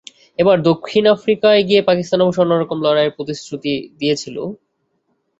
এবার দক্ষিণ আফ্রিকায় গিয়ে পাকিস্তান অবশ্য অন্য রকম লড়াইয়ের প্রতিশ্রুতি দিয়েছিল।